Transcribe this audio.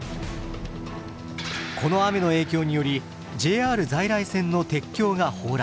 この雨の影響によりＪＲ在来線の鉄橋が崩落。